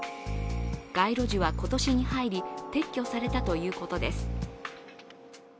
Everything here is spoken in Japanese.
街路樹は今年に入り、撤去されたということです。